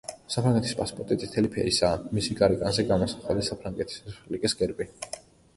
საფრანგეთის პასპორტი წითელი ფერისაა; მისი გარეკანზე გამოსახულია საფრანგეთის რესპუბლიკის გერბი.